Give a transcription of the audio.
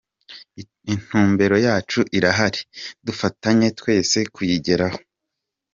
Intumbero yacu irahari, dufatanye twese kuyigeraho.